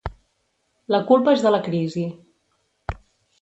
La culpa és de la crisi.